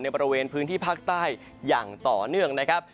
บริเวณพื้นที่ภาคใต้อย่างต่อเนื่องนะครับ